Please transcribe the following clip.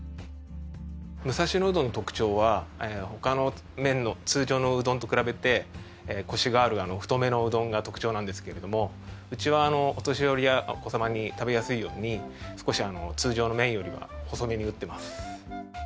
武蔵野うどんの特徴は他の麺の通常のうどんと比べてコシがある太めのうどんが特徴なんですけれどもうちはお年寄りやお子様に食べやすいように少し通常の麺よりは細めに打ってます。